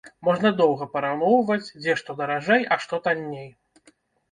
Можна доўга параўноўваць, дзе што даражэй, а што танней.